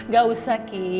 gak usah ki